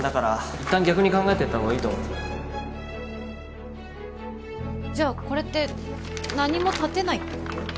いったん逆に考えてった方がいいと思うじゃあこれって何も建てないってこと？